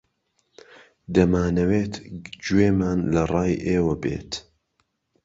دەمانەوێت گوێمان لە ڕای ئێوە بێت.